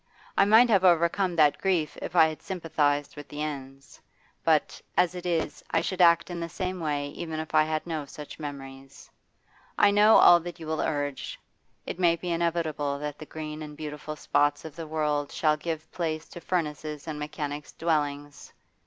I might have overcome that grief if I had sympathised with the ends. But, as it is, I should act in the same way even if I had no such memories. I know all that you will urge. It may be inevitable that the green and beautiful spots of the world shall give place to furnaces and mechanics' dwellings.